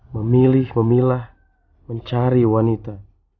memilih memilah mencari wanita